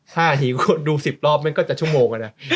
๕นาทีก็ดู๑๐รอบมันก็จะชั่วโมงเหรอ